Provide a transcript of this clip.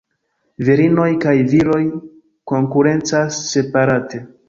Virinoj kaj viroj konkurencas separate.